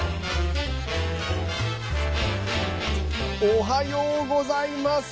おはようございます。